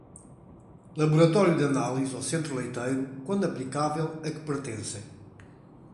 Laboratório de análise ou centro leiteiro, quando aplicável, a que pertencem.